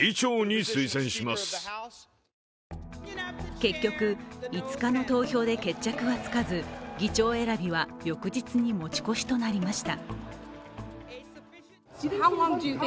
結局、５日の投票で決着がつかず、議長選びは翌日に持ち越しとなりました。